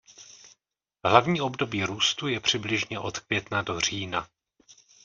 Hlavní období růstu je přibližně od května do října.